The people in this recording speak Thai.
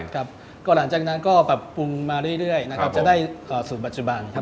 ครับก็หลังจากนั้นก็ปรับปรุงมาเรื่อยนะครับจะได้สูตรปัจจุบันครับ